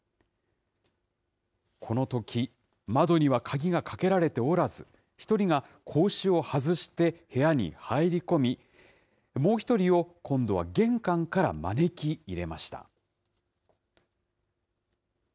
このとき、窓には鍵がかけられておらず、１人が格子を外して、部屋に入り込み、もう１人を今度は玄関から招き入れました。